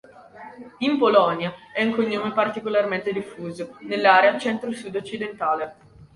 In Polonia, è un cognome particolarmente diffuso nell'area centro-sud occidentale.